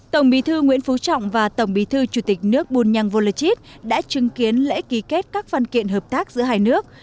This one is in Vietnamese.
tổng bí thư nguyễn phú trọng và tổng bí thư chủ tịch nước bùn nhăng vô lê chít đã chứng kiến lễ ký kết các văn kiện hợp tác giữa hai nước